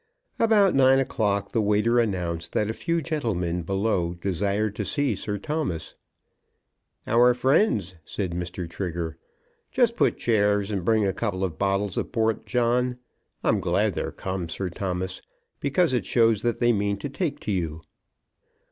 About nine o'clock the waiter announced that a few gentlemen below desired to see Sir Thomas. "Our friends," said Mr. Trigger. "Just put chairs, and bring a couple of bottles of port, John. I'm glad they're come, Sir Thomas, because it shows that they mean to take to you."